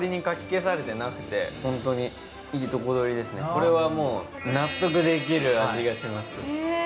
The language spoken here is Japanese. これは納得できる味がします。